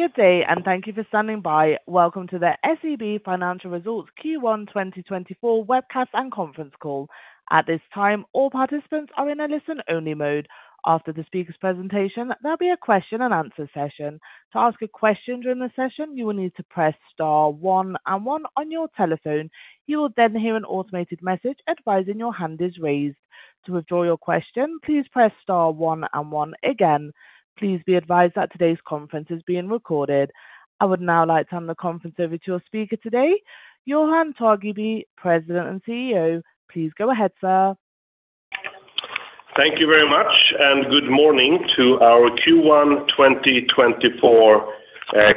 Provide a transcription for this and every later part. Good day, and thank you for standing by. Welcome to the SEB Financial Results Q1 2024 webcast and conference call. At this time, all participants are in a listen-only mode. After the speaker's presentation, there'll be a question-and-answer session. To ask a question during the session, you will need to press star 1 and 1 on your telephone. You will then hear an automated message advising your hand is raised. To withdraw your question, please press star 1 and 1 again. Please be advised that today's conference is being recorded. I would now like to hand the conference over to our speaker today, Johan Torgeby, President and CEO. Please go ahead, sir. Thank you very much, and good morning to our Q1 2024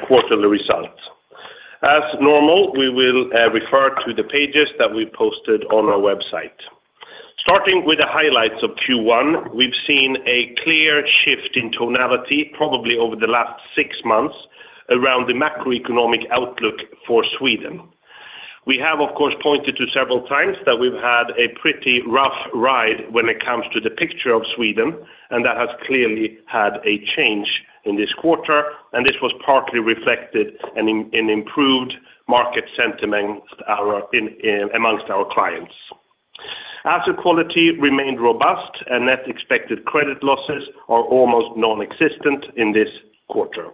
quarterly results. As normal, we will refer to the pages that we posted on our website. Starting with the highlights of Q1, we've seen a clear shift in tonality, probably over the last six months, around the macroeconomic outlook for Sweden. We have, of course, pointed to several times that we've had a pretty rough ride when it comes to the picture of Sweden, and that has clearly had a change in this quarter, and this was partly reflected in improved market sentiment amongst our clients. Asset quality remained robust, and net expected credit losses are almost nonexistent in this quarter.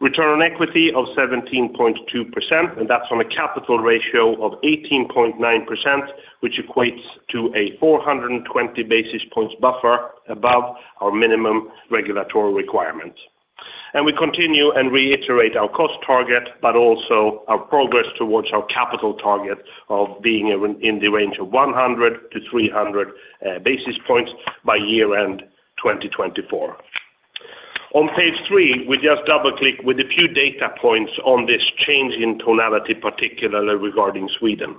Return on equity of 17.2%, and that's on a capital ratio of 18.9%, which equates to a 420 basis points buffer above our minimum regulatory requirements. We continue and reiterate our cost target, but also our progress towards our capital target of being in the range of 100-300 basis points by year-end 2024. On page 3, we just double-click with a few data points on this change in tonality, particularly regarding Sweden.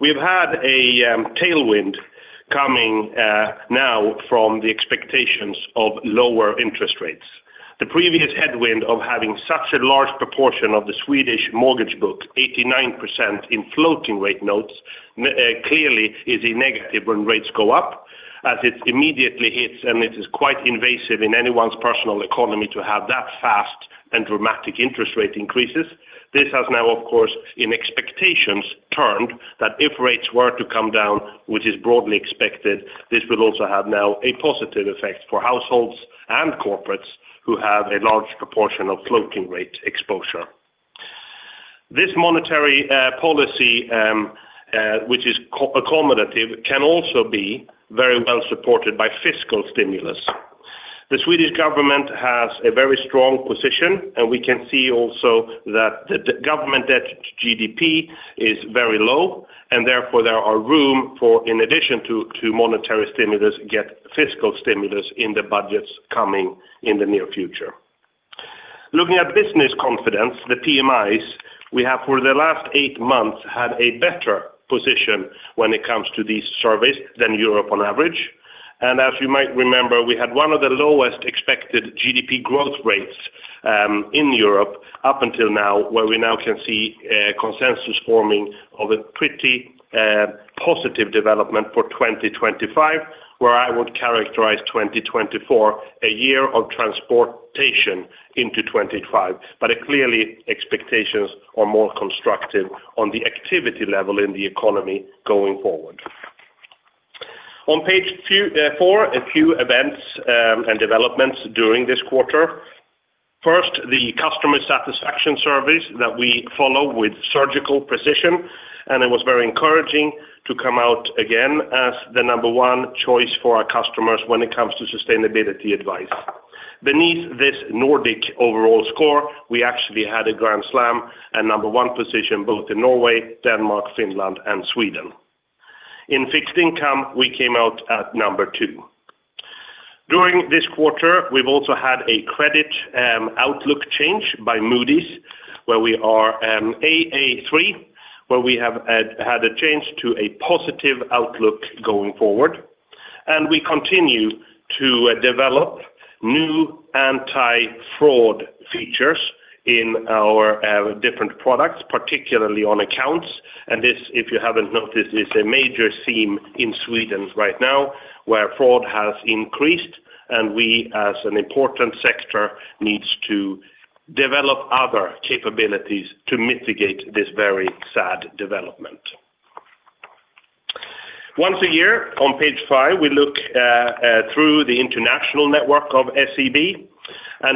We've had a tailwind coming now from the expectations of lower interest rates. The previous headwind of having such a large proportion of the Swedish mortgage book, 89% in floating-rate notes, clearly is a negative when rates go up, as it immediately hits and it is quite invasive in anyone's personal economy to have that fast and dramatic interest rate increases. This has now, of course, in expectations turned that if rates were to come down, which is broadly expected, this will also have now a positive effect for households and corporates who have a large proportion of floating-rate exposure. This monetary policy, which is accommodative, can also be very well supported by fiscal stimulus. The Swedish government has a very strong position, and we can see also that the government debt to GDP is very low, and therefore there are room for, in addition to monetary stimulus, to get fiscal stimulus in the budgets coming in the near future. Looking at business confidence, the PMIs we have for the last 8 months had a better position when it comes to these surveys than Europe on average. And as you might remember, we had one of the lowest expected GDP growth rates in Europe up until now, where we now can see consensus forming of a pretty positive development for 2025, where I would characterize 2024 a year of transportation into 2025. But clearly, expectations are more constructive on the activity level in the economy going forward. On page 4, a few events and developments during this quarter. First, the customer satisfaction surveys that we follow with surgical precision, and it was very encouraging to come out again as the number 1 choice for our customers when it comes to sustainability advice. Beneath this Nordic overall score, we actually had a Grand Slam and number 1 position both in Norway, Denmark, Finland, and Sweden. In fixed income, we came out at number 2. During this quarter, we've also had a credit outlook change by Moody's, where we are Aa3, where we have had a change to a positive outlook going forward. And we continue to develop new anti-fraud features in our different products, particularly on accounts. This, if you haven't noticed, is a major theme in Sweden right now, where fraud has increased, and we, as an important sector, need to develop other capabilities to mitigate this very sad development. Once a year, on page 5, we look through the international network of SEB.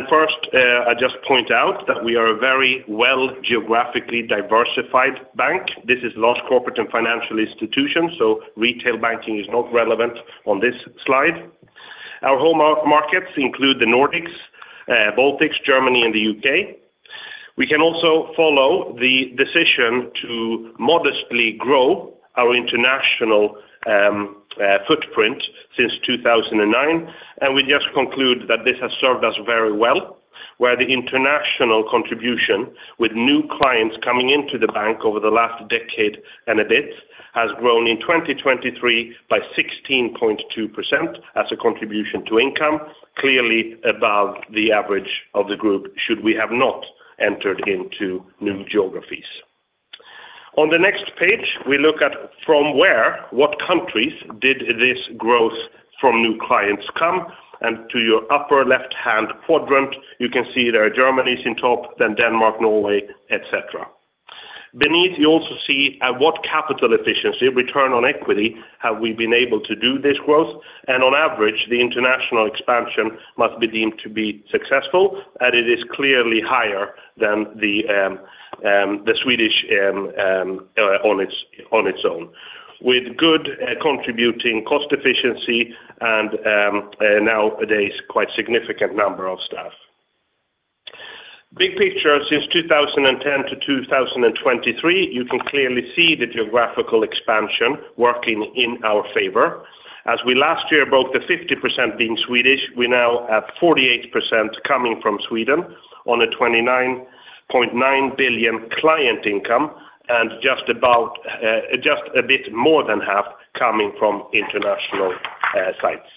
First, I just point out that we are a very well geographically diversified bank. This is a large corporate and financial institution, so retail banking is not relevant on this slide. Our home markets include the Nordics, Baltics, Germany, and the U.K. We can also follow the decision to modestly grow our international footprint since 2009, and we just conclude that this has served us very well, where the international contribution with new clients coming into the bank over the last decade and a bit has grown in 2023 by 16.2% as a contribution to income, clearly above the average of the group should we have not entered into new geographies. On the next page, we look at from where, what countries did this growth from new clients come. To your upper left-hand quadrant, you can see there Germany is in top, then Denmark, Norway, etc. Beneath, you also see what capital efficiency, return on equity, have we been able to do this growth. On average, the international expansion must be deemed to be successful, and it is clearly higher than the Swedish on its own, with good contributing cost efficiency and nowadays quite significant number of staff. Big picture, since 2010 to 2023, you can clearly see the geographical expansion working in our favor. As we last year broke the 50% being Swedish, we're now at 48% coming from Sweden on a 29.9 billion client income and just a bit more than half coming from international sites.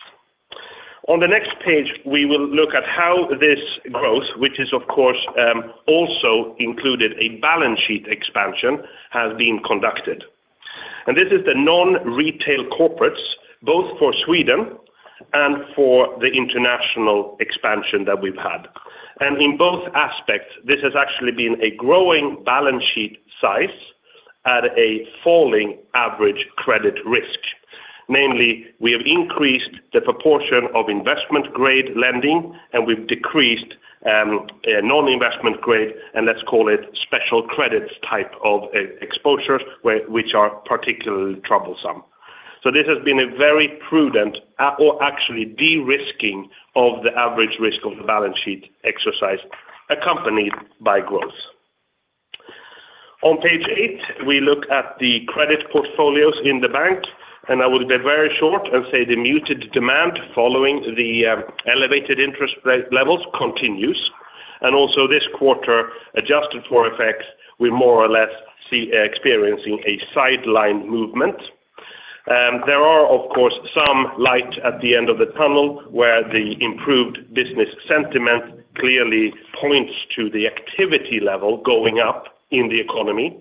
On the next page, we will look at how this growth, which is, of course, also included a balance sheet expansion, has been conducted. This is the non-retail corporates, both for Sweden and for the international expansion that we've had. In both aspects, this has actually been a growing balance sheet size at a falling average credit risk. Namely, we have increased the proportion of investment-grade lending, and we've decreased non-investment-grade, and let's call it special credits type of exposures, which are particularly troublesome. So this has been a very prudent or actually de-risking of the average risk of the balance sheet exercise accompanied by growth. On page 8, we look at the credit portfolios in the bank, and I will be very short and say the muted demand following the elevated interest rate levels continues. Also this quarter, adjusted for FX, we're more or less experiencing a sideways movement. There are, of course, some light at the end of the tunnel where the improved business sentiment clearly points to the activity level going up in the economy.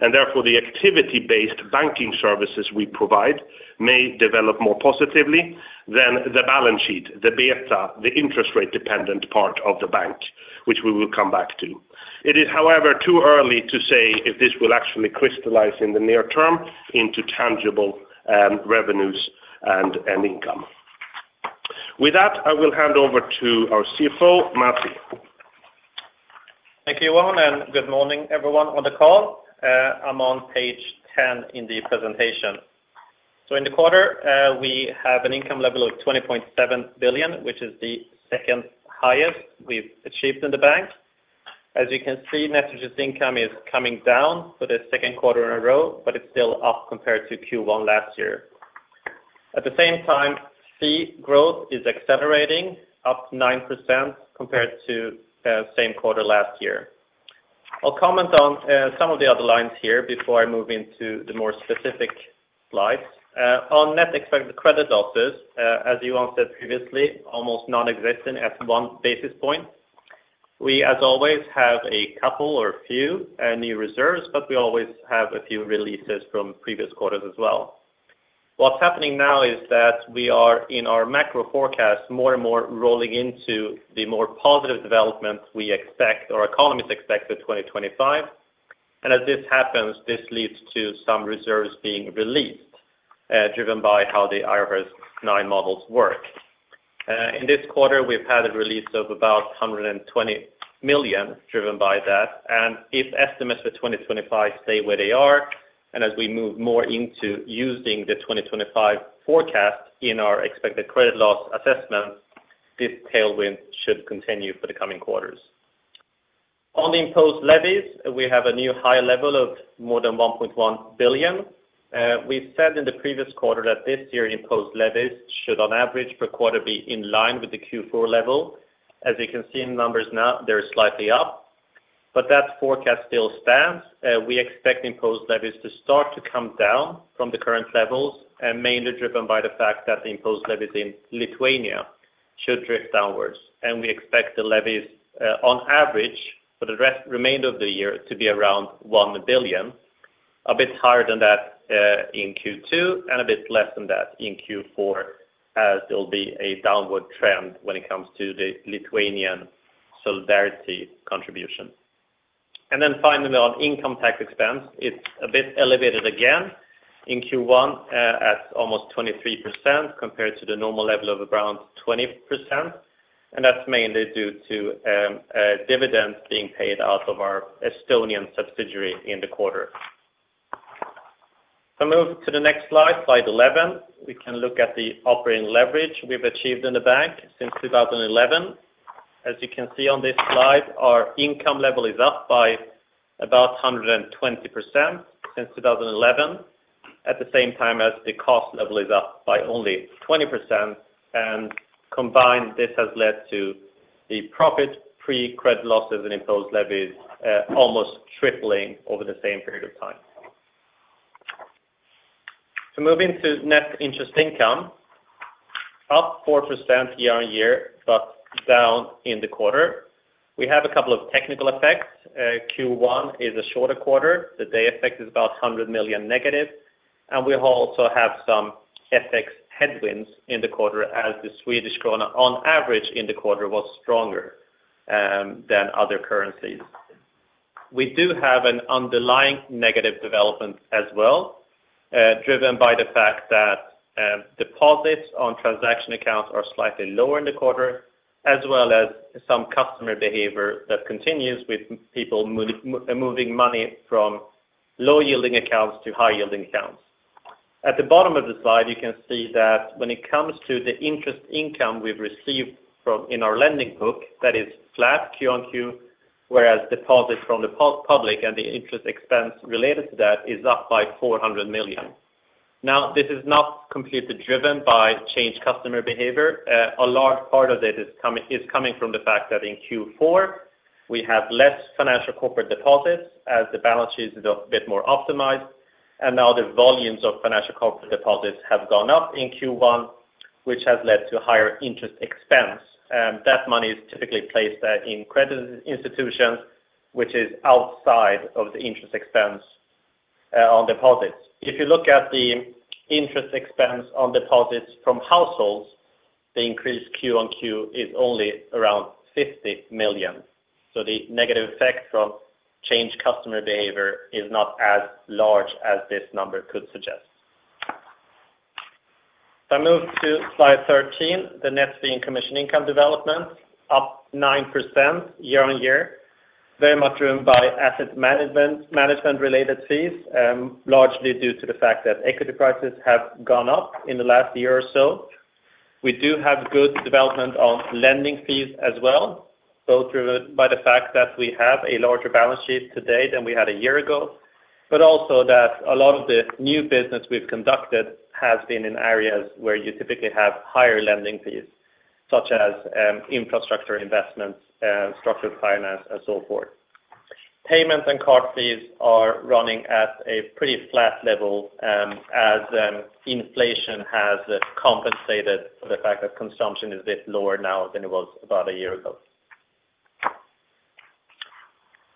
Therefore, the activity-based banking services we provide may develop more positively than the balance sheet, the beta, the interest rate-dependent part of the bank, which we will come back to. It is, however, too early to say if this will actually crystallize in the near term into tangible revenues and income. With that, I will hand over to our CFO, Masih. Thank you, Johan, and good morning, everyone on the call. I'm on page 10 in the presentation. So in the quarter, we have an income level of 20.7 billion, which is the second highest we've achieved in the bank. As you can see, net interest income is coming down for the second quarter in a row, but it's still up compared to Q1 last year. At the same time, fee growth is accelerating, up 9% compared to same quarter last year. I'll comment on some of the other lines here before I move into the more specific slides. On net expected credit losses, as Johan said previously, almost nonexistent at one basis point. We, as always, have a couple or a few new reserves, but we always have a few releases from previous quarters as well. What's happening now is that we are, in our macro forecast, more and more rolling into the more positive developments we expect or economists expect for 2025. And as this happens, this leads to some reserves being released, driven by how the IFRS 9 models work. In this quarter, we've had a release of about 120 million, driven by that. And if estimates for 2025 stay where they are, and as we move more into using the 2025 forecast in our expected credit loss assessment, this tailwind should continue for the coming quarters. On the imposed levies, we have a new high level of more than 1.1 billion. We said in the previous quarter that this year imposed levies should, on average, per quarter be in line with the Q4 level. As you can see in numbers now, they're slightly up. But that forecast still stands. We expect imposed levies to start to come down from the current levels, mainly driven by the fact that the imposed levies in Lithuania should drift downwards. We expect the levies, on average, for the remainder of the year to be around 1 billion, a bit higher than that in Q2 and a bit less than that in Q4, as there'll be a downward trend when it comes to the Lithuanian solidarity contribution. Then finally, on income tax expense, it's a bit elevated again in Q1 at almost 23% compared to the normal level of around 20%. That's mainly due to dividends being paid out of our Estonian subsidiary in the quarter. If I move to the next slide, slide 11, we can look at the operating leverage we've achieved in the bank since 2011. As you can see on this slide, our income level is up by about 120% since 2011, at the same time as the cost level is up by only 20%. Combined, this has led to the profit pre-credit losses and imposed levies almost tripling over the same period of time. If I move into net interest income, up 4% year-over-year but down in the quarter. We have a couple of technical FX. Q1 is a shorter quarter. The day effect is about 100 million negative. And we also have some FX headwinds in the quarter, as the Swedish krona, on average, in the quarter was stronger than other currencies. We do have an underlying negative development as well, driven by the fact that deposits on transaction accounts are slightly lower in the quarter, as well as some customer behavior that continues with people moving money from low-yielding accounts to high-yielding accounts. At the bottom of the slide, you can see that when it comes to the interest income we've received in our lending book, that is flat Q on Q, whereas deposits from the public and the interest expense related to that is up by 400 million. Now, this is not completely driven by changed customer behavior. A large part of it is coming from the fact that in Q4, we have less financial corporate deposits as the balance sheet is a bit more optimized. And now the volumes of financial corporate deposits have gone up in Q1, which has led to higher interest expense. That money is typically placed in credit institutions, which is outside of the interest expense on deposits. If you look at the interest expense on deposits from households, the increased Q-on-Q is only around 50 million. So the negative effect from changed customer behavior is not as large as this number could suggest. If I move to slide 13, the net fee and commission income development, up 9% year-on-year, very much driven by asset management-related fees, largely due to the fact that equity prices have gone up in the last year or so. We do have good development on lending fees as well, both driven by the fact that we have a larger balance sheet today than we had a year ago, but also that a lot of the new business we've conducted has been in areas where you typically have higher lending fees, such as infrastructure investments, structured finance, and so forth. Payments and card fees are running at a pretty flat level as inflation has compensated for the fact that consumption is a bit lower now than it was about a year ago.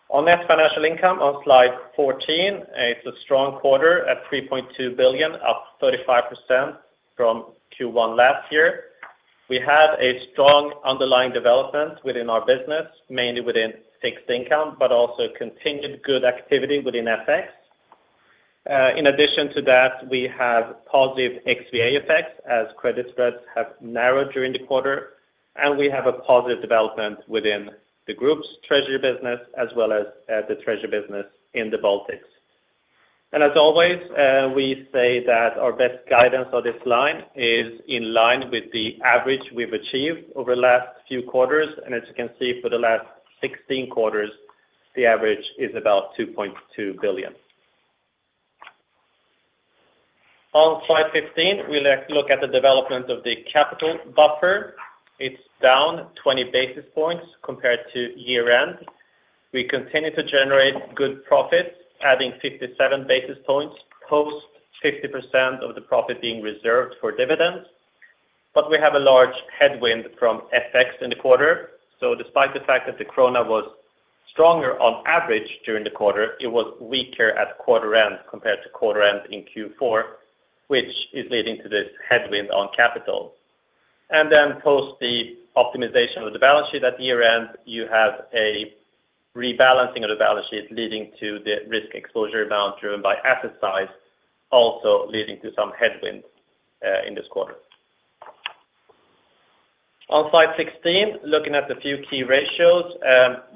On net financial income, on slide 14, it's a strong quarter at 3.2 billion, up 35% from Q1 last year. We have a strong underlying development within our business, mainly within fixed income, but also continued good activity within FX. In addition to that, we have positive XVA FX as credit spreads have narrowed during the quarter. We have a positive development within the group's treasury business as well as the treasury business in the Baltics. As always, we say that our best guidance on this line is in line with the average we've achieved over the last few quarters. As you can see, for the last 16 quarters, the average is about 2.2 billion. On slide 15, we look at the development of the capital buffer. It's down 20 basis points compared to year-end. We continue to generate good profits, adding 57 basis points post 50% of the profit being reserved for dividends. But we have a large headwind from FX in the quarter. Despite the fact that the krona was stronger on average during the quarter, it was weaker at quarter-end compared to quarter-end in Q4, which is leading to this headwind on capital. Then post the optimization of the balance sheet at year-end, you have a rebalancing of the balance sheet leading to the risk exposure amount driven by asset size, also leading to some headwind in this quarter. On slide 16, looking at the few key ratios,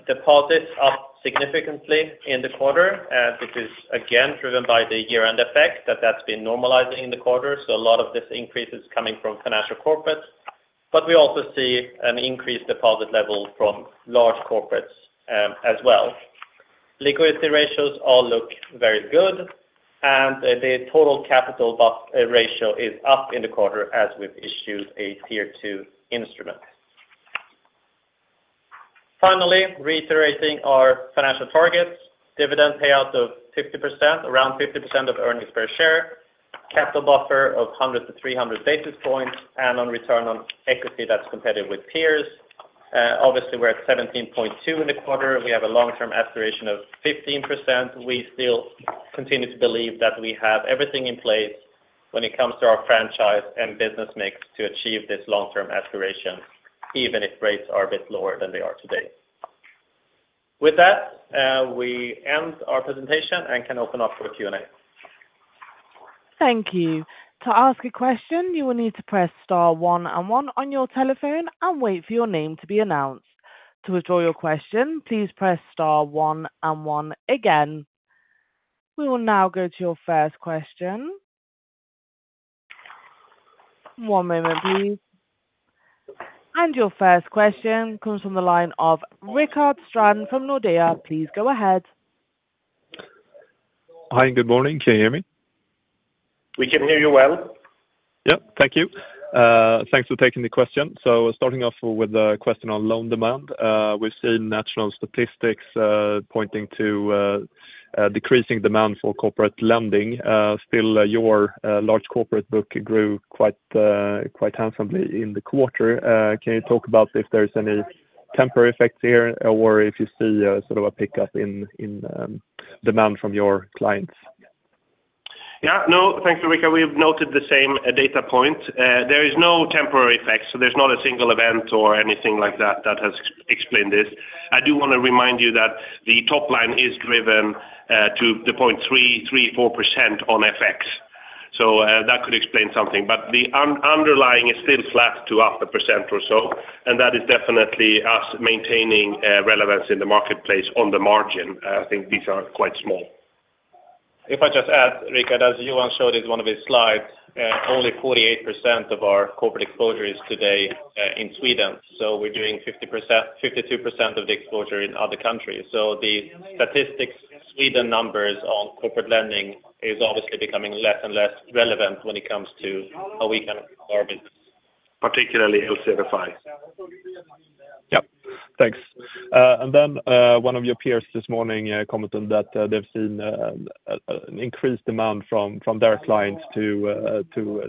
deposits up significantly in the quarter. This is, again, driven by the year-end effect that that's been normalizing in the quarter. So a lot of this increase is coming from financial corporates. But we also see an increased deposit level from large corporates as well. Liquidity ratios all look very good. And the total capital ratio is up in the quarter as we've issued a Tier 2 instrument. Finally, reiterating our financial targets, dividend payout of 50%, around 50% of earnings per share, capital buffer of 100-300 basis points, and on return on equity that's competitive with peers. Obviously, we're at 17.2 in the quarter. We have a long-term aspiration of 15%. We still continue to believe that we have everything in place when it comes to our franchise and business mix to achieve this long-term aspiration, even if rates are a bit lower than they are today. With that, we end our presentation and can open up for Q&A. Thank you. To ask a question, you will need to press star one and one on your telephone and wait for your name to be announced. To withdraw your question, please press star one and one again. We will now go to your first question. One moment, please. Your first question comes from the line of Rickard Strand from Nordea. Please go ahead. Hi. Good morning. Can you hear me? We can hear you well. Yep. Thank you. Thanks for taking the question. So starting off with the question on loan demand, we've seen national statistics pointing to decreasing demand for corporate lending. Still, your large corporate book grew quite handsomely in the quarter. Can you talk about if there's any temporary FX here or if you see sort of a pickup in demand from your clients? Yeah. No. Thanks, Ulrika. We've noted the same data point. There is no temporary effect. So there's not a single event or anything like that that has explained this. I do want to remind you that the top line is driven to the 0.3, 3, 4% on FX. So that could explain something. But the underlying is still flat to up 1% or so. And that is definitely us maintaining relevance in the marketplace on the margin. I think these are quite small. If I just add, Ulrika, as Johan showed in one of his slides, only 48% of our corporate exposure is today in Sweden. So we're doing 52% of the exposure in other countries. So the statistics, Sweden numbers on corporate lending is obviously becoming less and less relevant when it comes to how we can improve our business, particularly LCFI. Yep. Thanks. And then one of your peers this morning commented that they've seen an increased demand from their clients to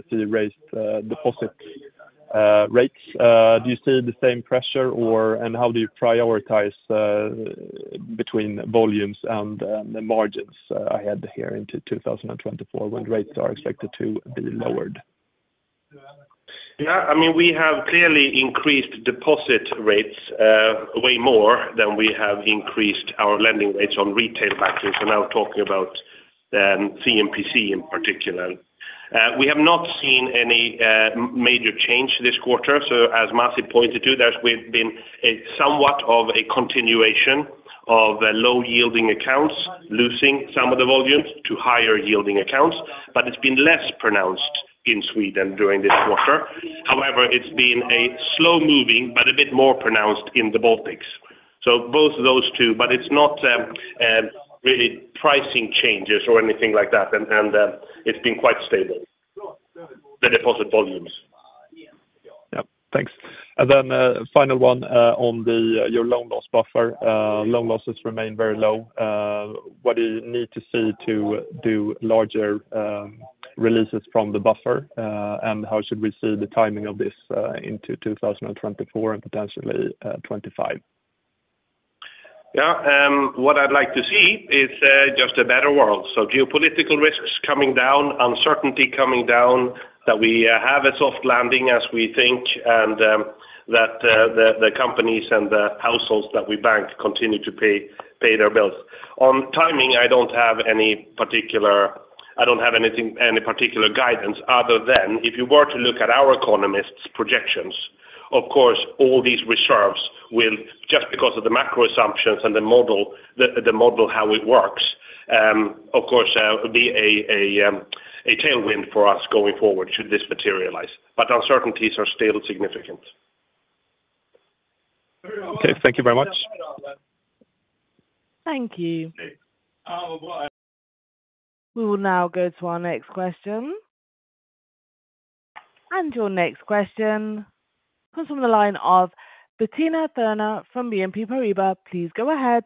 see raised deposit rates. Do you see the same pressure, or how do you prioritize between volumes and the margins ahead here into 2024 when rates are expected to be lowered? Yeah. I mean, we have clearly increased deposit rates way more than we have increased our lending rates on retail banking. So now talking about C&PC in particular. We have not seen any major change this quarter. So as Masih pointed to, there's been somewhat of a continuation of low-yielding accounts losing some of the volumes to higher-yielding accounts. But it's been less pronounced in Sweden during this quarter. However, it's been slow-moving but a bit more pronounced in the Baltics. So both of those two, but it's not really pricing changes or anything like that. And it's been quite stable, the deposit volumes. Yep. Thanks. And then final one on your loan loss buffer. Loan losses remain very low. What do you need to see to do larger releases from the buffer? And how should we see the timing of this into 2024 and potentially 2025? Yeah. What I'd like to see is just a better world. So geopolitical risks coming down, uncertainty coming down, that we have a soft landing as we think, and that the companies and the households that we bank continue to pay their bills. On timing, I don't have any particular guidance other than if you were to look at our economists' projections, of course, all these reserves will, just because of the macro assumptions and the model, how it works, of course, be a tailwind for us going forward should this materialize. But uncertainties are still significant. Okay. Thank you very much. Thank you. We will now go to our next question. Your next question comes from the line of Bettina Thurner from BNP Paribas. Please go ahead.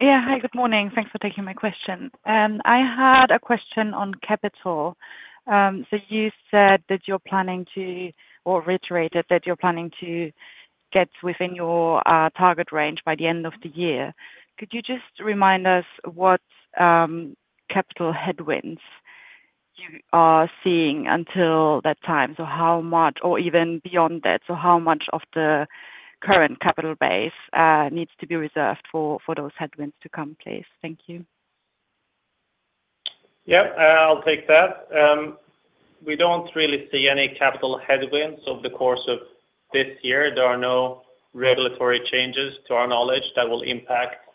Yeah. Hi. Good morning. Thanks for taking my question. I had a question on capital. So you said that you're planning to or reiterated that you're planning to get within your target range by the end of the year. Could you just remind us what capital headwinds you are seeing until that time? So how much or even beyond that, so how much of the current capital base needs to be reserved for those headwinds to come? Please. Thank you. Yep. I'll take that. We don't really see any capital headwinds over the course of this year. There are no regulatory changes, to our knowledge, that will impact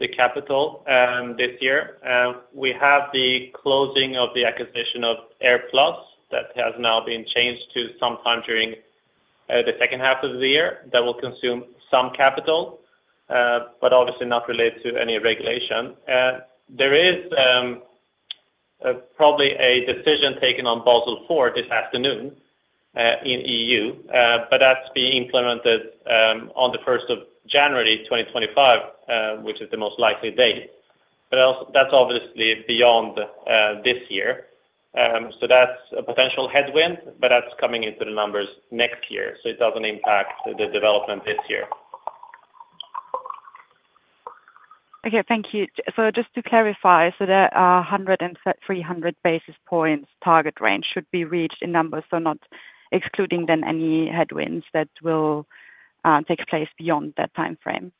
the capital this year. We have the closing of the acquisition of AirPlus that has now been changed to sometime during the second half of the year that will consume some capital, but obviously not related to any regulation. There is probably a decision taken on Basel IV this afternoon in EU, but that's being implemented on the 1st of January, 2025, which is the most likely date. But that's obviously beyond this year. So that's a potential headwind, but that's coming into the numbers next year. So it doesn't impact the development this year. Okay. Thank you. So just to clarify, so that 100-300 basis points target range should be reached in numbers, so not excluding then any headwinds that will take place beyond that timeframe?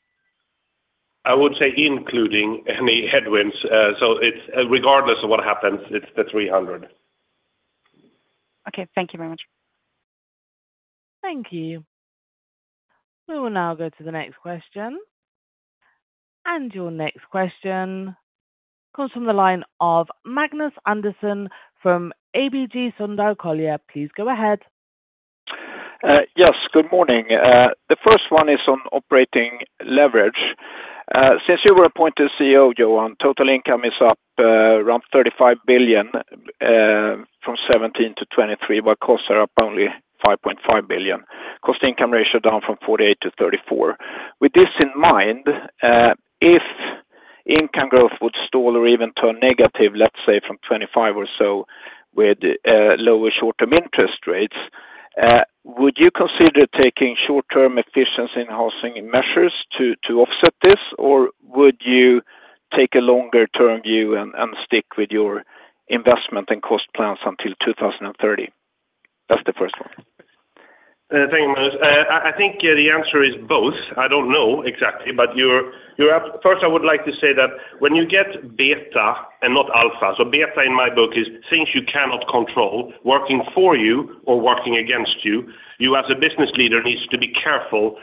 I would say including any headwinds. So regardless of what happens, it's the 300. Okay. Thank you very much. Thank you. We will now go to the next question. Your next question comes from the line of Magnus Andersson from ABG Sundal Collier. Please go ahead. Yes. Good morning. The first one is on operating leverage. Since you were appointed CEO, Johan, total income is up around 35 billion from 2017 to 2023, while costs are up only 5.5 billion, cost-to-income ratio down from 48% to 34%. With this in mind, if income growth would stall or even turn negative, let's say from 2025 or so with lower short-term interest rates, would you consider taking short-term efficiency in housing measures to offset this, or would you take a longer-term view and stick with your investment and cost plans until 2030? That's the first one. Thank you, Magnus. I think the answer is both. I don't know exactly. But first, I would like to say that when you get beta and not alpha, so beta in my book is things you cannot control, working for you or working against you. You, as a business leader, need to be careful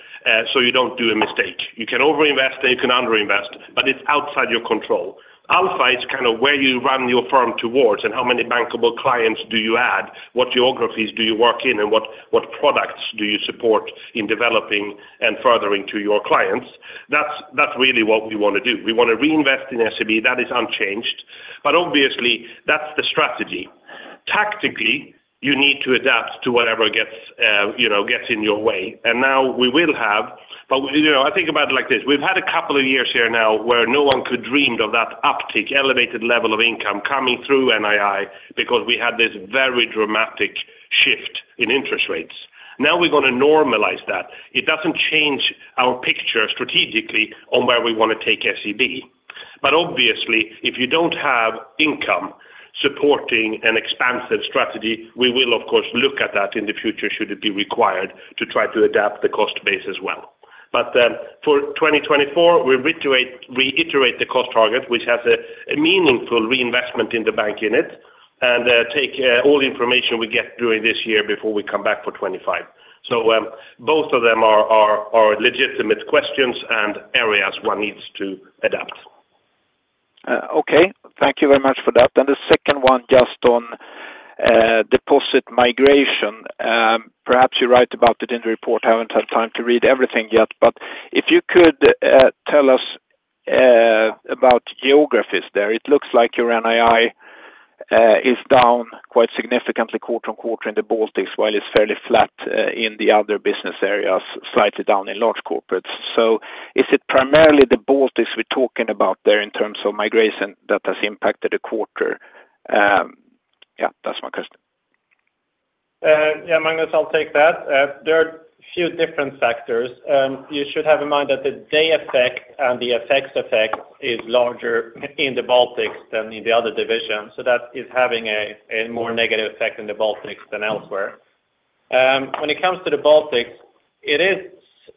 so you don't do a mistake. You can overinvest, and you can underinvest, but it's outside your control. Alpha is kind of where you run your firm towards and how many bankable clients do you add, what geographies do you work in, and what products do you support in developing and furthering to your clients. That's really what we want to do. We want to reinvest in SEB. That is unchanged. But obviously, that's the strategy. Tactically, you need to adapt to whatever gets in your way. And now we will have, but I think about it like this. We've had a couple of years here now where no one could dream of that uptick, elevated level of income coming through NII because we had this very dramatic shift in interest rates. Now we're going to normalize that. It doesn't change our picture strategically on where we want to take SEB. But obviously, if you don't have income supporting an expansive strategy, we will, of course, look at that in the future should it be required to try to adapt the cost base as well. But for 2024, we reiterate the cost target, which has a meaningful reinvestment in the bank in it, and take all information we get during this year before we come back for 2025. So both of them are legitimate questions and areas one needs to adapt. Okay. Thank you very much for that. And the second one just on deposit migration. Perhaps you write about it in the report. I haven't had time to read everything yet. But if you could tell us about geographies there, it looks like your NII is down quite significantly quarter on quarter in the Baltics while it's fairly flat in the other business areas, slightly down in large corporates. So is it primarily the Baltics we're talking about there in terms of migration that has impacted the quarter? Yeah. That's my question. Yeah. Magnus, I'll take that. There are a few different factors. You should have in mind that the day effect and the FX effect is larger in the Baltics than in the other divisions. So that is having a more negative effect in the Baltics than elsewhere. When it comes to the Baltics,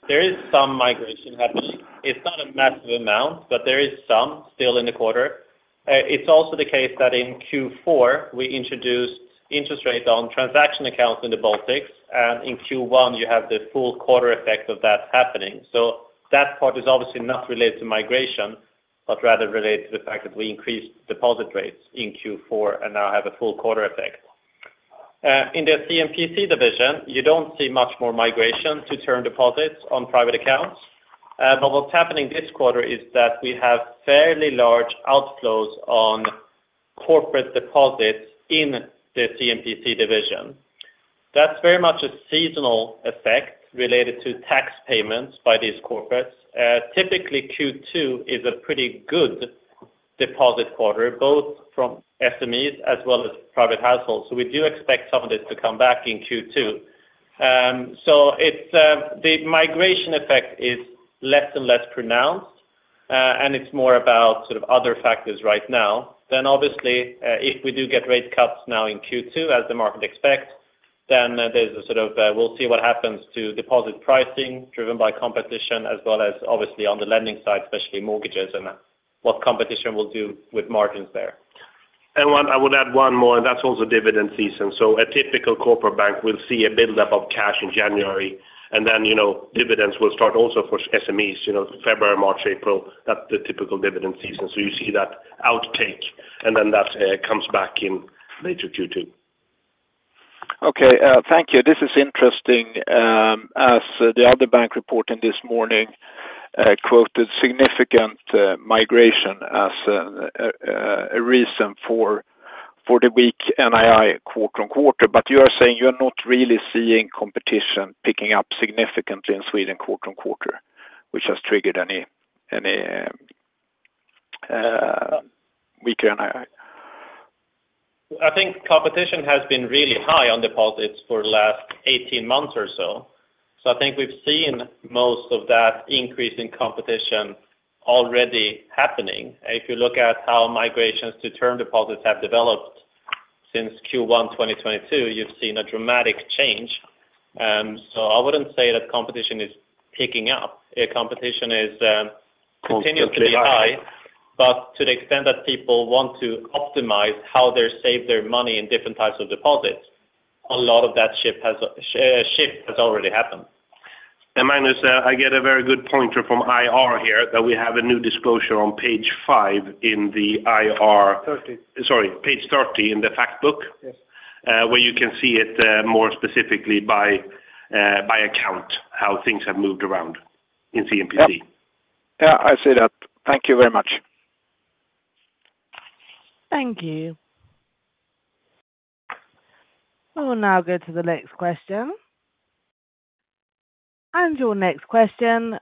there is some migration happening. It's not a massive amount, but there is some still in the quarter. It's also the case that in Q4, we introduced interest rate on transaction accounts in the Baltics. And in Q1, you have the full quarter effect of that happening. So that part is obviously not related to migration but rather related to the fact that we increased deposit rates in Q4 and now have a full quarter effect. In the C&PC division, you don't see much more migration to term deposits on private accounts. What's happening this quarter is that we have fairly large outflows on corporate deposits in the C&PC division. That's very much a seasonal effect related to tax payments by these corporates. Typically, Q2 is a pretty good deposit quarter, both from SMEs as well as private households. We do expect some of this to come back in Q2. The migration effect is less and less pronounced. It's more about sort of other factors right now. Obviously, if we do get rate cuts now in Q2 as the market expects, then there's a sort of we'll see what happens to deposit pricing driven by competition as well as obviously on the lending side, especially mortgages and what competition will do with margins there. I would add one more. That's also dividend season. A typical corporate bank will see a buildup of cash in January. Dividends will start also for SMEs, February, March, April. That's the typical dividend season. You see that outtake. That comes back in later Q2. Okay. Thank you. This is interesting as the other bank reporting this morning quoted significant migration as a reason for the weak NII quarter on quarter. But you are saying you are not really seeing competition picking up significantly in Sweden quarter on quarter, which has triggered any weaker NII. I think competition has been really high on deposits for the last 18 months or so. So I think we've seen most of that increase in competition already happening. If you look at how migrations to term deposits have developed since Q1, 2022, you've seen a dramatic change. So I wouldn't say that competition is picking up. Competition continues to be high. But to the extent that people want to optimize how they save their money in different types of deposits, a lot of that shift has already happened. Magnus, I get a very good pointer from IR here that we have a new disclosure on page 5 in the IR, sorry, page 30 in the fact book where you can see it more specifically by account, how things have moved around in C&PC. Yeah. I see that. Thank you very much. Thank you. We will now go to the next question. Your next question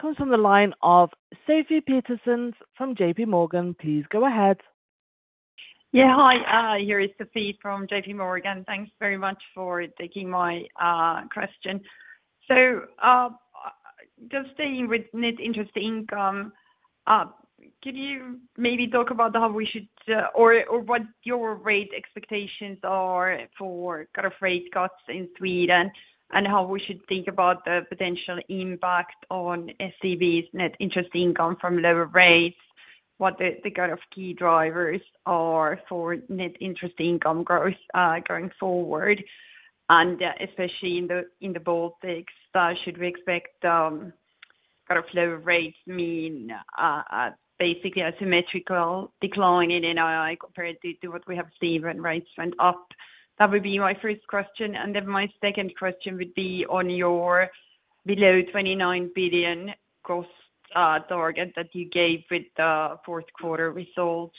comes from the line of Sofie Peterzens from JPMorgan. Please go ahead. Yeah. Hi. Here is Sofie from JPMorgan. Thanks very much for taking my question. So just staying with net interest income, could you maybe talk about how we should or what your rate expectations are for kind of rate cuts in Sweden and how we should think about the potential impact on SEB's net interest income from lower rates, what the kind of key drivers are for net interest income growth going forward? And especially in the Baltics, should we expect kind of lower rates mean basically a symmetrical decline in NII compared to what we have seen when rates went up? That would be my first question. And then my second question would be on your below 29 billion cost target that you gave with the fourth quarter results.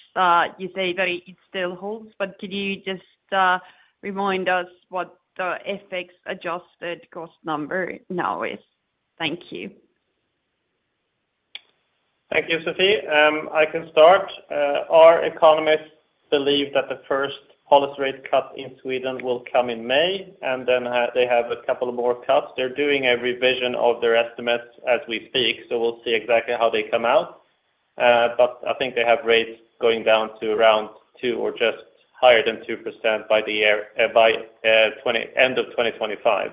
You say that it still holds. But could you just remind us what the FX adjusted cost number now is? Thank you. Thank you, Sofie. I can start. Our economists believe that the first policy rate cut in Sweden will come in May. And then they have a couple of more cuts. They're doing a revision of their estimates as we speak. So we'll see exactly how they come out. But I think they have rates going down to around 2% or just higher than 2% by the end of 2025.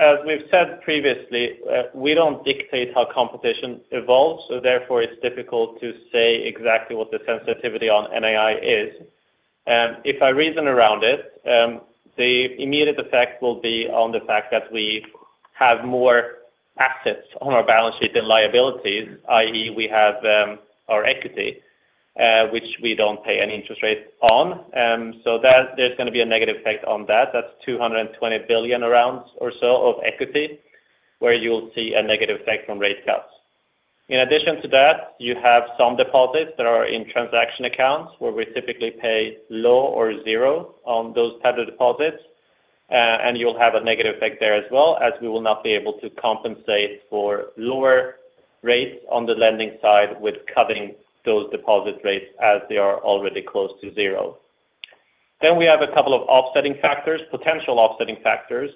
As we've said previously, we don't dictate how competition evolves. So therefore, it's difficult to say exactly what the sensitivity on NII is. If I reason around it, the immediate effect will be on the fact that we have more assets on our balance sheet than liabilities, i.e., we have our equity, which we don't pay any interest rate on. So there's going to be a negative effect on that. That's 220 billion around or so of equity where you'll see a negative effect from rate cuts. In addition to that, you have some deposits that are in transaction accounts where we typically pay low or zero on those type of deposits. And you'll have a negative effect there as well as we will not be able to compensate for lower rates on the lending side with cutting those deposit rates as they are already close to zero. Then we have a couple of offsetting factors, potential offsetting factors.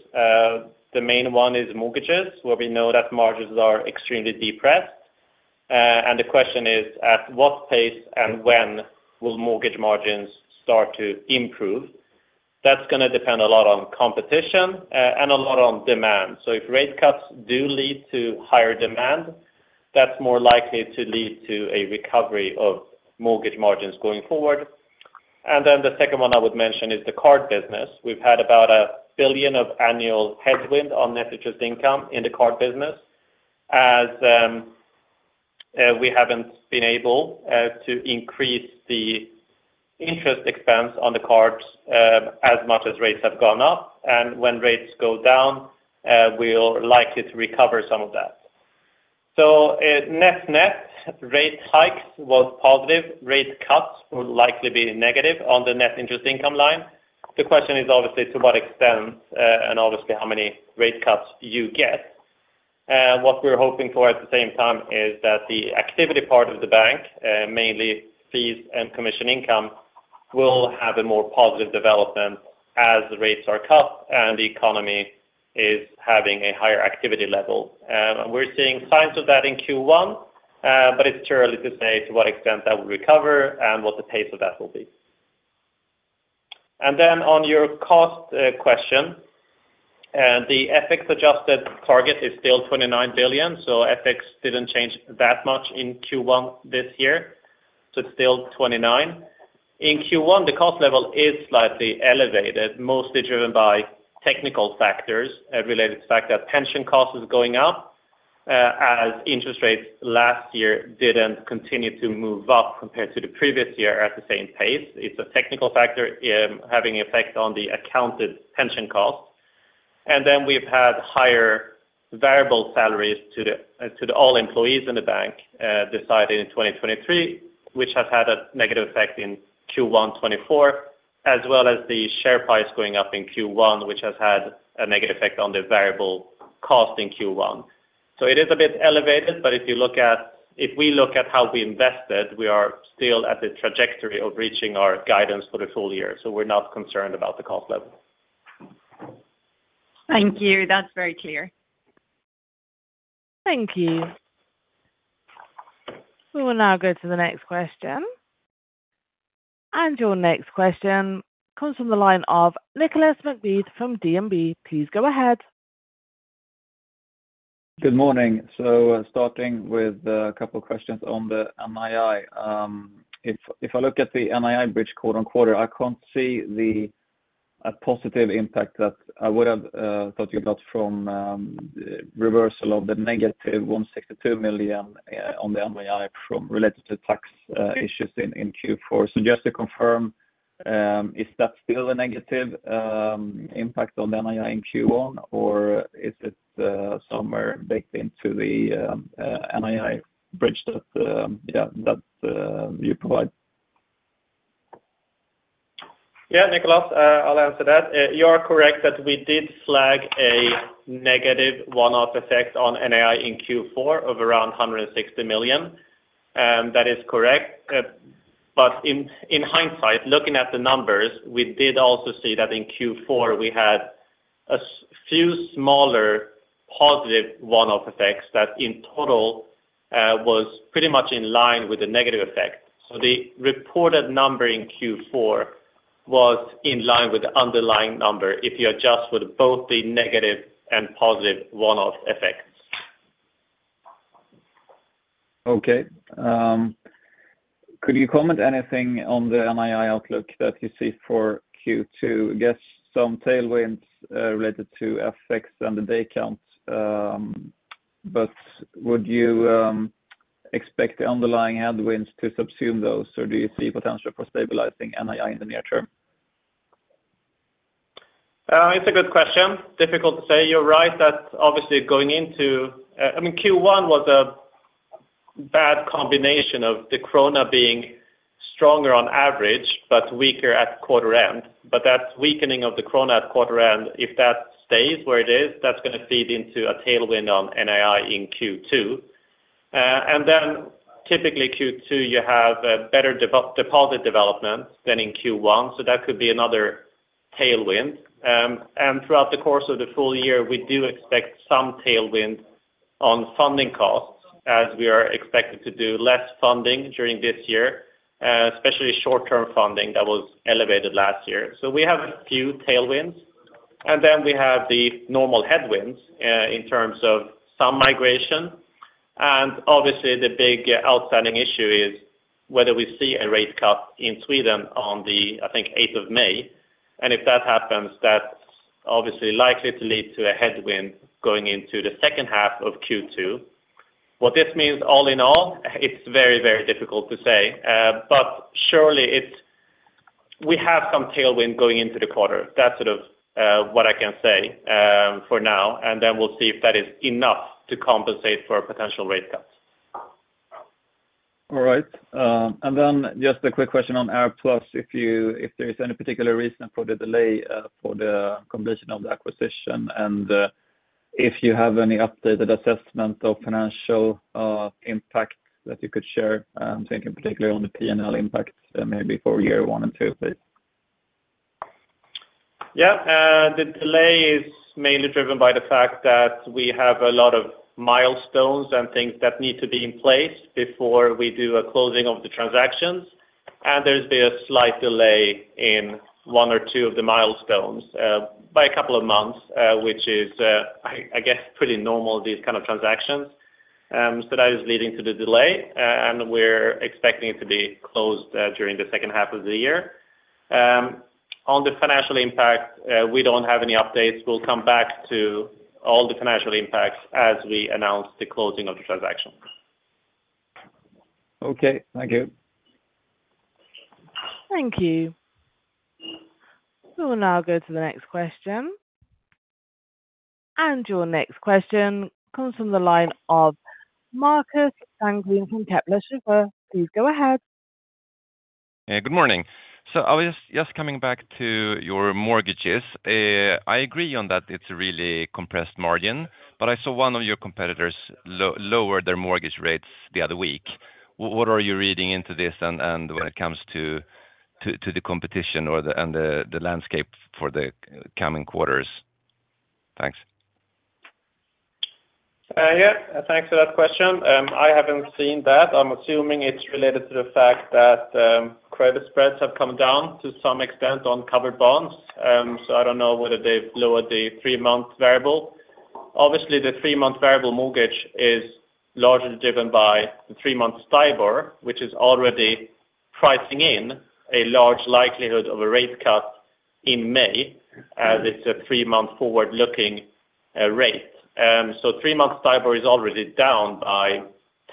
The main one is mortgages where we know that margins are extremely depressed. And the question is, at what pace and when will mortgage margins start to improve? That's going to depend a lot on competition and a lot on demand. So if rate cuts do lead to higher demand, that's more likely to lead to a recovery of mortgage margins going forward. And then the second one I would mention is the card business. We've had about 1 billion of annual headwind on net interest income in the card business as we haven't been able to increase the interest expense on the cards as much as rates have gone up. And when rates go down, we're likely to recover some of that. So net-net rate hikes was positive. Rate cuts will likely be negative on the net interest income line. The question is obviously to what extent and obviously how many rate cuts you get. What we're hoping for at the same time is that the activity part of the bank, mainly fees and commission income, will have a more positive development as rates are cut and the economy is having a higher activity level. We're seeing signs of that in Q1. It's too early to say to what extent that will recover and what the pace of that will be. Then on your cost question, the FX adjusted target is still 29 billion. FX didn't change that much in Q1 this year. It's still 29 billion. In Q1, the cost level is slightly elevated, mostly driven by technical factors related to the fact that pension cost is going up as interest rates last year didn't continue to move up compared to the previous year at the same pace. It's a technical factor having an effect on the accounted pension cost. Then we've had higher variable salaries to all employees in the bank decided in 2023, which has had a negative effect in Q1 2024, as well as the share price going up in Q1, which has had a negative effect on the variable cost in Q1. So it is a bit elevated. But if we look at how we invested, we are still at the trajectory of reaching our guidance for the full year. So we're not concerned about the cost level. Thank you. That's very clear. Thank you. We will now go to the next question. Your next question comes from the line of Nicolas McBeath from DNB. Please go ahead. Good morning. Starting with a couple of questions on the NII. If I look at the NII bridge quarter-on-quarter, I can't see a positive impact that I would have thought you got from the reversal of the negative 162 million on the NII related to tax issues in Q4. Just to confirm, is that still a negative impact on the NII in Q1? Or is it somewhere baked into the NII bridge that you provide? Yeah, Nicolas, I'll answer that. You are correct that we did flag a negative one-off effect on NII in Q4 of around 160 million. That is correct. But in hindsight, looking at the numbers, we did also see that in Q4, we had a few smaller positive one-off FX that in total was pretty much in line with the negative effect. So the reported number in Q4 was in line with the underlying number if you adjust with both the negative and positive one-off FX. Okay. Could you comment anything on the NII outlook that you see for Q2? I guess some tailwinds related to FX and the day counts. But would you expect the underlying headwinds to subsume those? Or do you see potential for stabilizing NII in the near term? It's a good question. Difficult to say. You're right that obviously, going into, I mean, Q1 was a bad combination of the krona being stronger on average but weaker at quarter end. But that weakening of the krona at quarter end, if that stays where it is, that's going to feed into a tailwind on NII in Q2. And then typically, Q2, you have a better deposit development than in Q1. So that could be another tailwind. And throughout the course of the full year, we do expect some tailwind on funding costs as we are expected to do less funding during this year, especially short-term funding that was elevated last year. So we have a few tailwinds. And then we have the normal headwinds in terms of some migration. Obviously, the big outstanding issue is whether we see a rate cut in Sweden on the, I think, 8th of May. And if that happens, that's obviously likely to lead to a headwind going into the second half of Q2. What this means all in all, it's very, very difficult to say. But surely, we have some tailwind going into the quarter. That's sort of what I can say for now. And then we'll see if that is enough to compensate for potential rate cuts. All right. And then just a quick question on AirPlus. If there is any particular reason for the delay for the completion of the acquisition and if you have any updated assessment of financial impact that you could share, thinking particularly on the P&L impact maybe for year one and two, please? Yeah. The delay is mainly driven by the fact that we have a lot of milestones and things that need to be in place before we do a closing of the transactions. And there's been a slight delay in one or two of the milestones by a couple of months, which is, I guess, pretty normal, these kind of transactions. So that is leading to the delay. And we're expecting it to be closed during the second half of the year. On the financial impact, we don't have any updates. We'll come back to all the financial impacts as we announce the closing of the transaction. Okay. Thank you. Thank you. We will now go to the next question. Your next question comes from the line of Marcus Sandgren from Kepler Cheuvreux. Please go ahead. Good morning. So I was just coming back to your mortgages. I agree on that it's a really compressed margin. But I saw one of your competitors lower their mortgage rates the other week. What are you reading into this when it comes to the competition and the landscape for the coming quarters? Thanks. Yeah. Thanks for that question. I haven't seen that. I'm assuming it's related to the fact that credit spreads have come down to some extent on covered bonds. So I don't know whether they've lowered the three-month variable. Obviously, the three-month variable mortgage is largely driven by the three-month STIBOR, which is already pricing in a large likelihood of a rate cut in May as it's a three-month forward-looking rate. So three-month STIBOR is already down by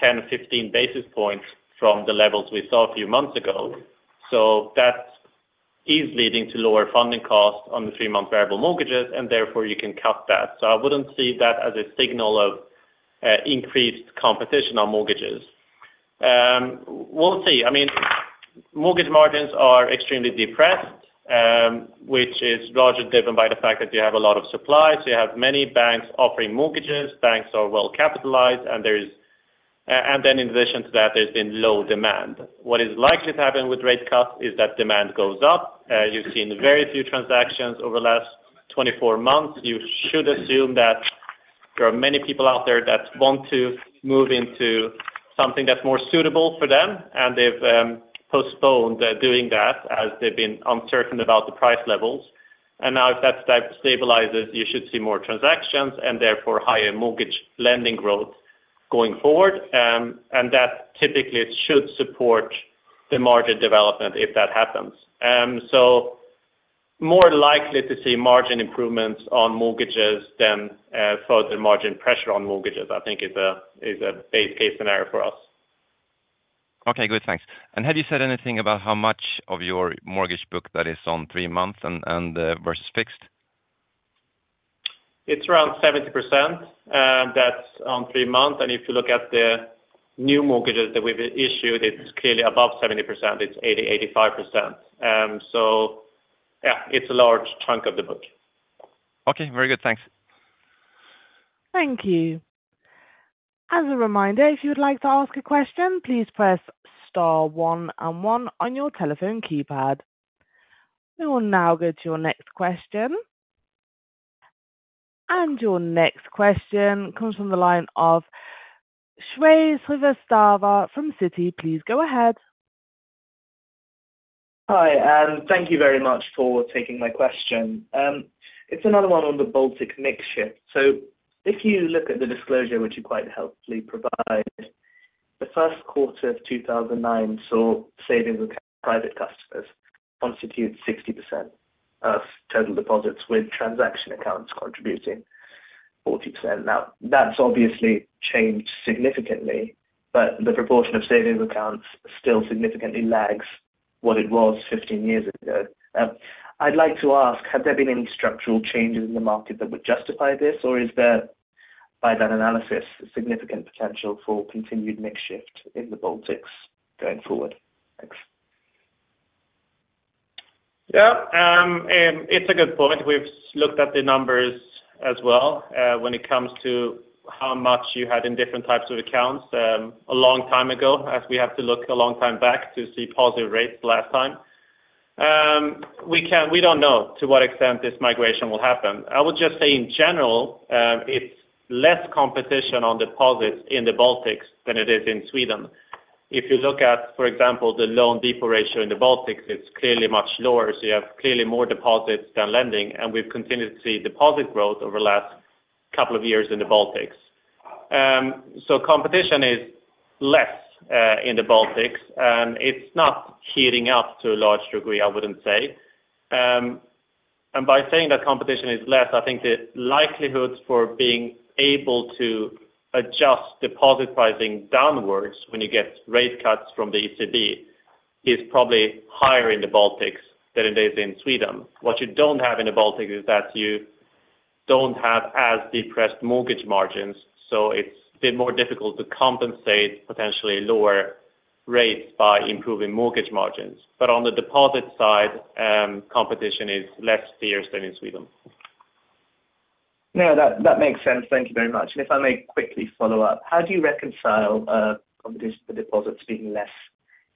10-15 basis points from the levels we saw a few months ago. So that is leading to lower funding costs on the three-month variable mortgages. And therefore, you can cut that. So I wouldn't see that as a signal of increased competition on mortgages. We'll see. I mean, mortgage margins are extremely depressed, which is largely driven by the fact that you have a lot of supply. So you have many banks offering mortgages. Banks are well-capitalized. And then in addition to that, there's been low demand. What is likely to happen with rate cuts is that demand goes up. You've seen very few transactions over the last 24 months. You should assume that there are many people out there that want to move into something that's more suitable for them. And they've postponed doing that as they've been uncertain about the price levels. And now if that stabilizes, you should see more transactions and therefore higher mortgage lending growth going forward. And that typically should support the margin development if that happens. So more likely to see margin improvements on mortgages than further margin pressure on mortgages, I think, is a base case scenario for us. Okay. Good. Thanks. Have you said anything about how much of your mortgage book that is on three months versus fixed? It's around 70% that's on three months. If you look at the new mortgages that we've issued, it's clearly above 70%. It's 80%-85%. So yeah, it's a large chunk of the book. Okay. Very good. Thanks. Thank you. As a reminder, if you would like to ask a question, please press star one and one on your telephone keypad. We will now go to your next question. Your next question comes from the line of Shrey Srivastava from Citi. Please go ahead. Hi. Thank you very much for taking my question. It's another one on the Baltic mixture. So if you look at the disclosure, which you quite helpfully provided, the first quarter of 2009 saw savings with private customers constitute 60% of total deposits with transaction accounts contributing, 40%. Now, that's obviously changed significantly. But the proportion of savings accounts still significantly lags what it was 15 years ago. I'd like to ask, have there been any structural changes in the market that would justify this? Or is there, by that analysis, significant potential for continued mix shift in the Baltics going forward? Thanks. Yeah. It's a good point. We've looked at the numbers as well when it comes to how much you had in different types of accounts a long time ago, as we have to look a long time back to see positive rates last time. We don't know to what extent this migration will happen. I would just say, in general, it's less competition on deposits in the Baltics than it is in Sweden. If you look at, for example, the loan-depo ratio in the Baltics, it's clearly much lower. So you have clearly more deposits than lending. And we've continued to see deposit growth over the last couple of years in the Baltics. So competition is less in the Baltics. And it's not heating up to a large degree, I wouldn't say. And by saying that competition is less, I think the likelihood for being able to adjust deposit pricing downwards when you get rate cuts from the ECB is probably higher in the Baltics than it is in Sweden. What you don't have in the Baltics is that you don't have as depressed mortgage margins. So it's been more difficult to compensate potentially lower rates by improving mortgage margins. But on the deposit side, competition is less fierce than in Sweden. No. That makes sense. Thank you very much. And if I may quickly follow up, how do you reconcile the deposits being less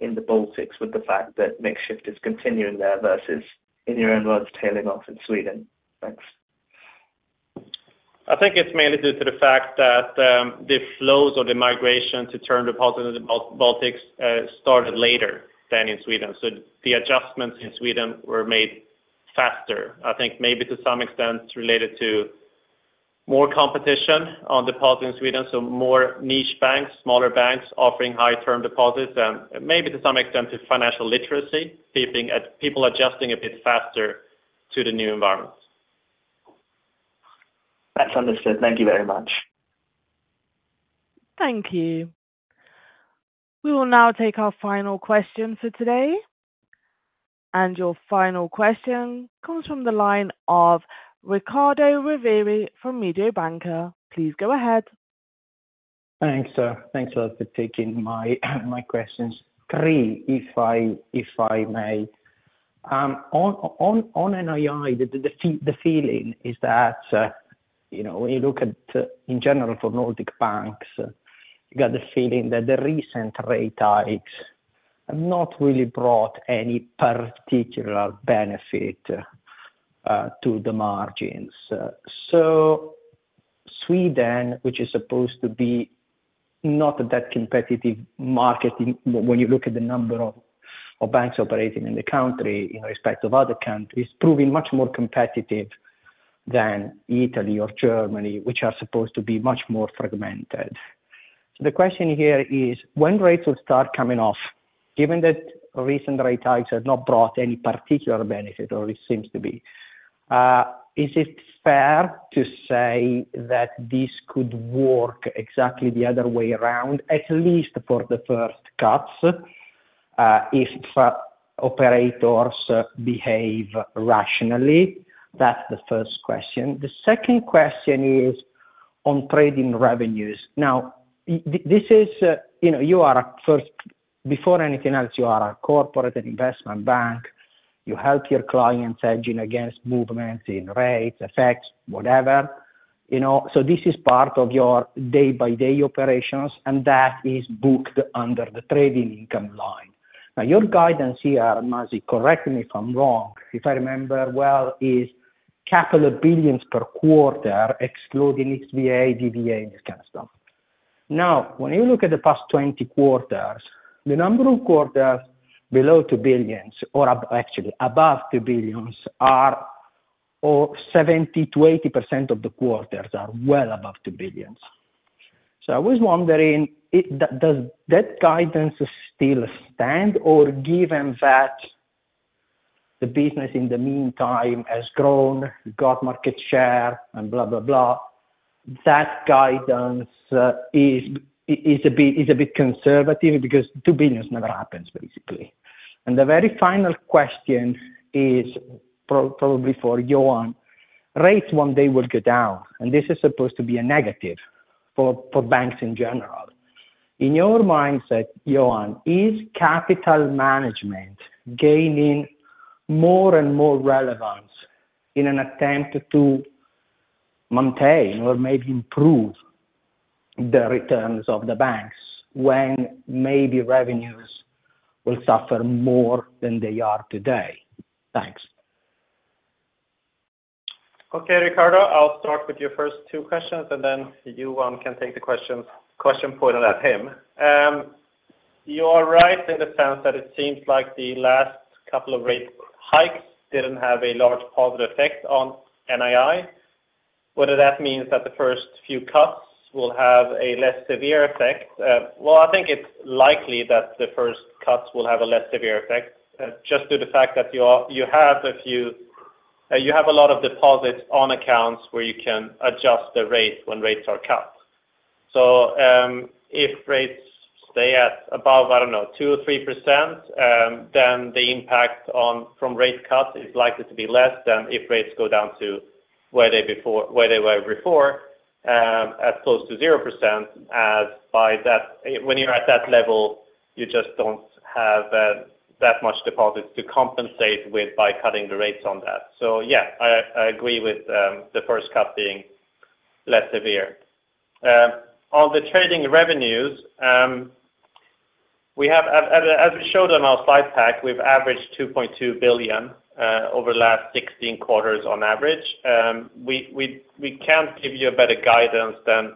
in the Baltics with the fact that mix shift is continuing there versus, in your own words, tailing off in Sweden? Thanks. I think it's mainly due to the fact that the flows or the migration to term deposits in the Baltics started later than in Sweden. So the adjustments in Sweden were made faster, I think maybe to some extent related to more competition on deposits in Sweden, so more niche banks, smaller banks offering high-term deposits, and maybe to some extent to financial literacy, people adjusting a bit faster to the new environment. That's understood. Thank you very much. Thank you. We will now take our final question for today. Your final question comes from the line of Riccardo Rovere from Mediobanca. Please go ahead. Thanks, sir. Thanks, sir, for taking my questions. Three, if I may. On NII, the feeling is that when you look at, in general, for Baltic banks, you got the feeling that the recent rate hikes have not really brought any particular benefit to the margins. So Sweden, which is supposed to be not that competitive market when you look at the number of banks operating in the country in respect of other countries, is proving much more competitive than Italy or Germany, which are supposed to be much more fragmented. So the question here is, when rates will start coming off, given that recent rate hikes have not brought any particular benefit, or it seems to be, is it fair to say that this could work exactly the other way around, at least for the first cuts, if operators behave rationally? That's the first question. The second question is on trading revenues. Now, you are a first before anything else, you are a corporate and investment bank. You help your clients hedge in against movements in rates, FX, whatever. So this is part of your day-by-day operations. And that is booked under the trading income line. Now, your guidance here, Masih, correct me if I'm wrong, if I remember well, is a couple of billions per quarter excluding XVA, DVA, and this kind of stuff. Now, when you look at the past 20 quarters, the number of quarters below 2 billion or actually above 2 billion are or 70%-80% of the quarters are well above 2 billion. So I was wondering, does that guidance still stand? Or given that the business, in the meantime, has grown, got market share, and blah, blah, blah, that guidance is a bit conservative because 2 billion never happens, basically. And the very final question is probably for Johan. Rates one day will go down. And this is supposed to be a negative for banks in general. In your mindset, Johan, is capital management gaining more and more relevance in an attempt to maintain or maybe improve the returns of the banks when maybe revenues will suffer more than they are today? Thanks. Okay, Riccardo. I'll start with your first two questions. And then you, Johan, can take the question pointed at him. You are right in the sense that it seems like the last couple of rate hikes didn't have a large positive effect on NII. Whether that means that the first few cuts will have a less severe effect, well, I think it's likely that the first cuts will have a less severe effect just due to the fact that you have a lot of deposits on accounts where you can adjust the rate when rates are cut. So if rates stay at above, I don't know, 2% or 3%, then the impact from rate cuts is likely to be less than if rates go down to where they were before as opposed to 0%. When you're at that level, you just don't have that much deposits to compensate with by cutting the rates on that. So yeah, I agree with the first cut being less severe. On the trading revenues, as we showed on our slide pack, we've averaged 2.2 billion over the last 16 quarters on average. We can't give you a better guidance than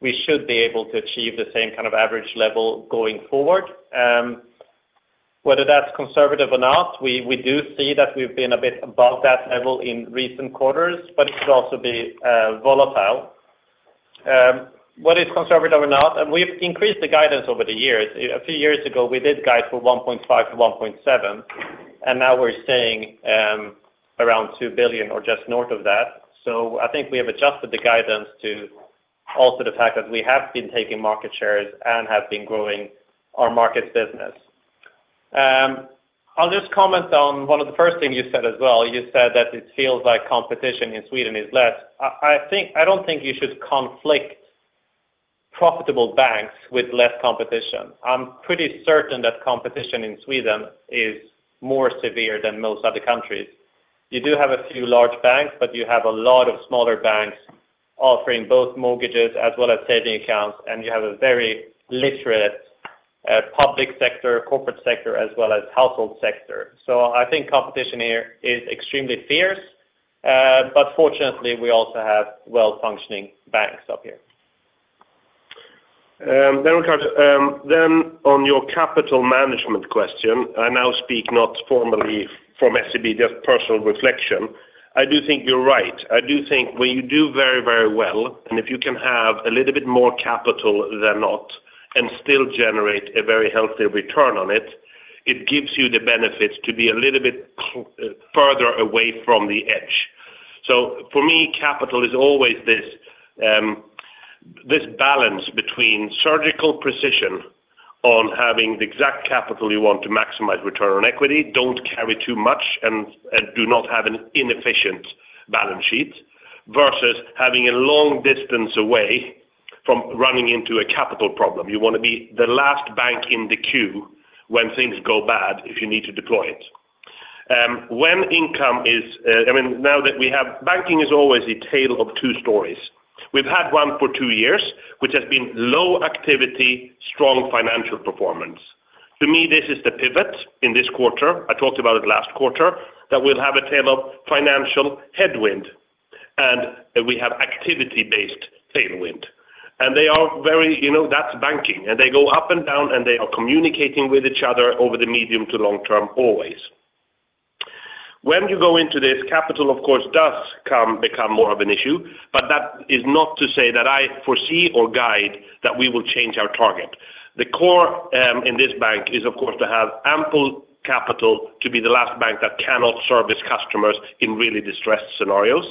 we should be able to achieve the same kind of average level going forward. Whether that's conservative or not, we do see that we've been a bit above that level in recent quarters. But it could also be volatile. Whether it's conservative or not and we've increased the guidance over the years. A few years ago, we did guide for 1.5 billion-1.7 billion. And now we're staying around 2 billion or just north of that. So I think we have adjusted the guidance to also the fact that we have been taking market shares and have been growing our markets business. I'll just comment on one of the first things you said as well. You said that it feels like competition in Sweden is less. I don't think you should conflate profitable banks with less competition. I'm pretty certain that competition in Sweden is more severe than most other countries. You do have a few large banks. But you have a lot of smaller banks offering both mortgages as well as savings accounts. And you have a very literate public sector, corporate sector, as well as household sector. So I think competition here is extremely fierce. But fortunately, we also have well-functioning banks up here. Then, Riccardo, on your capital management question, I now speak not formally from SEB, just personal reflection. I do think you're right. I do think when you do very, very well and if you can have a little bit more capital than not and still generate a very healthy return on it, it gives you the benefit to be a little bit further away from the edge. So for me, capital is always this balance between surgical precision on having the exact capital you want to maximize return on equity, don't carry too much, and do not have an inefficient balance sheet versus having a long distance away from running into a capital problem. You want to be the last bank in the queue when things go bad if you need to deploy it. When income is, I mean, now that we have, banking is always a tale of two stories. We've had one for two years, which has been low activity, strong financial performance. To me, this is the pivot in this quarter. I talked about it last quarter that we'll have a tail of financial headwind. And we have activity-based tailwind. And they are very, that's banking. And they go up and down. And they are communicating with each other over the medium to long term, always. When you go into this, capital, of course, does become more of an issue. But that is not to say that I foresee or guide that we will change our target. The core in this bank is, of course, to have ample capital to be the last bank that cannot service customers in really distressed scenarios.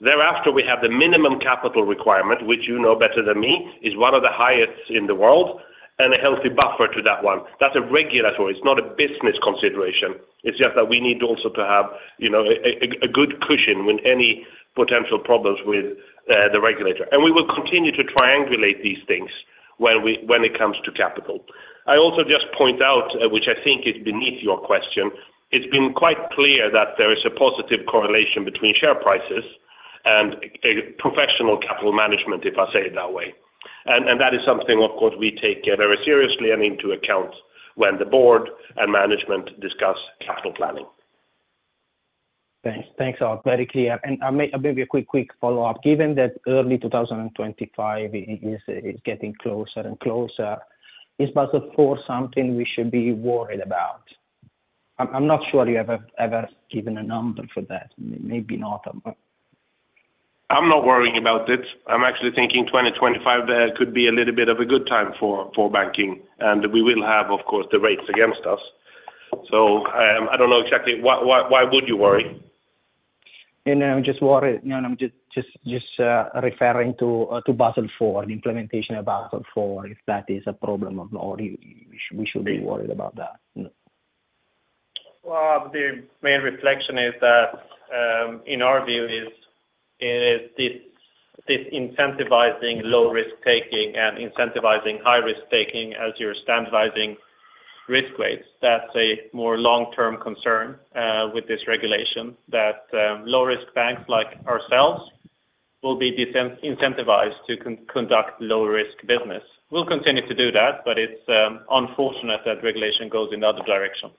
Thereafter, we have the minimum capital requirement, which you know better than me, is one of the highest in the world and a healthy buffer to that one. That's regulatory. It's not a business consideration. It's just that we need also to have a good cushion when any potential problems with the regulator. We will continue to triangulate these things when it comes to capital. I also just point out, which I think is beneath your question, it's been quite clear that there is a positive correlation between share prices and professional capital management, if I say it that way. That is something, of course, we take very seriously and into account when the board and management discuss capital planning. Thanks. Thanks, Masih. Very clear. And I may be a quick follow-up. Given that early 2025 is getting closer and closer, is Basel IV something we should be worried about? I'm not sure you have ever given a number for that. Maybe not. I'm not worrying about it. I'm actually thinking 2025 could be a little bit of a good time for banking. We will have, of course, the rates against us. I don't know exactly why would you worry? I'm just worried no, I'm just referring to Basel IV, the implementation of Basel IV, if that is a problem or we should be worried about that. Well, the main reflection is that, in our view, is this incentivizing low-risk taking and incentivizing high-risk taking as you're standardizing risk weights. That's a more long-term concern with this regulation, that low-risk banks like ourselves will be incentivized to conduct low-risk business. We'll continue to do that. But it's unfortunate that regulation goes in the other direction.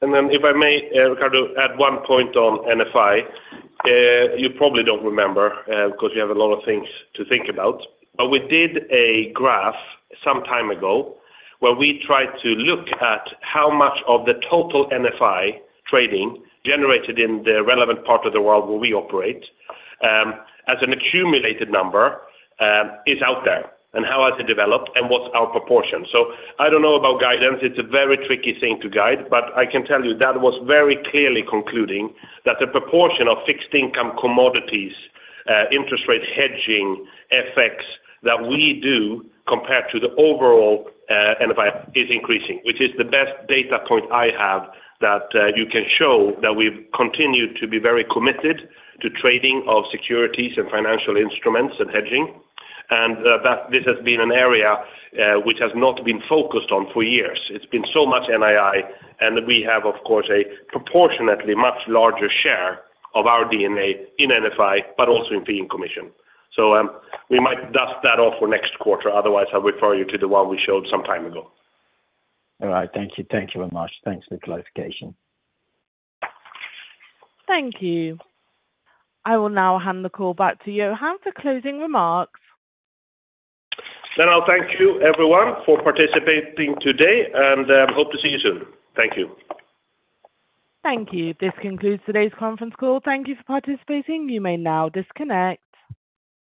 And then if I may, Riccardo, add one point on NFI. You probably don't remember because you have a lot of things to think about. But we did a graph some time ago where we tried to look at how much of the total NFI trading generated in the relevant part of the world where we operate as an accumulated number is out there and how has it developed and what's our proportion. So I don't know about guidance. It's a very tricky thing to guide. But I can tell you that was very clearly concluding that the proportion of fixed income commodities, interest rate hedging, FX that we do compared to the overall NFI is increasing, which is the best data point I have that you can show that we've continued to be very committed to trading of securities and financial instruments and hedging. And this has been an area which has not been focused on for years. It's been so much NII. And we have, of course, a proportionately much larger share of our DNA in NFI but also in fee and commission. So we might dust that off for next quarter. Otherwise, I'll refer you to the one we showed some time ago. All right. Thank you. Thank you very much. Thanks for the clarification. Thank you. I will now hand the call back to Johan for closing remarks. Then I'll thank you, everyone, for participating today. I hope to see you soon. Thank you. Thank you. This concludes today's conference call. Thank you for participating. You may now disconnect.